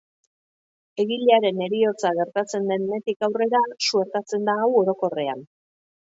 Egilearen heriotza gertatzen denetik aurrera suertatzen da hau orokorrean.